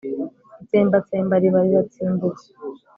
itsembatsemba riba riratsimbuwe